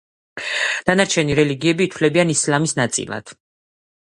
დანარჩენი რელიგიები ითვლებიან ისლამის ნაწილად.